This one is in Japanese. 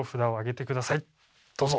どうぞ！